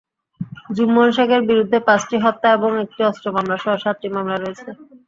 জুম্মন শেখের বিরুদ্ধে পাঁচটি হত্যা এবং একটি অস্ত্র মামলাসহ সাতটি মামলা রয়েছে।